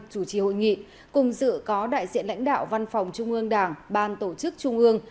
chủ trì hội nghị cùng dự có đại diện lãnh đạo văn phòng trung ương đảng ban tổ chức trung ương